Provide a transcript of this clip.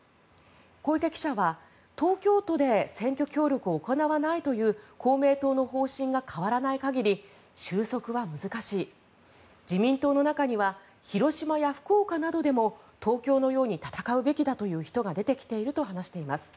小池記者は、東京都で選挙協力を行わないという公明党の方針が変わらない限り収束は難しい自民党の中には広島や福岡などでも東京のように戦うべきだという人が出てきていると話しています。